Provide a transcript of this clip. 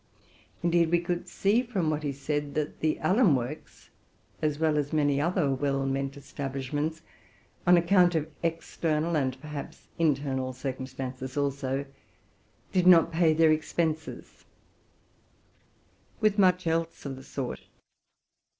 Indeed, we could see, from what he said, that the alum works, as w ell as many other well meant establishments on account of external and perhaps internal circumstances also, did not pay their expenses, with much else of the sort.